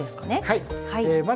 はい。